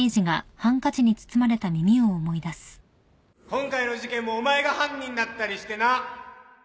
今回の事件もお前が犯人だったりしてな